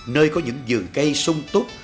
nơi có những giường cây sung túc